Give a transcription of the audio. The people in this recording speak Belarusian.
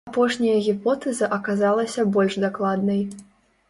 Апошняя гіпотэза аказалася больш дакладнай.